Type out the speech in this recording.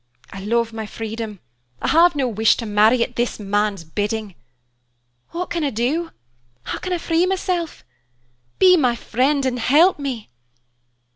I love my freedom, I have no wish to marry at this man's bidding. What can I do? How can I free myself? Be my friend, and help me!"